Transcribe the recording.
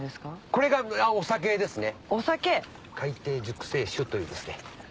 これがお酒ですね。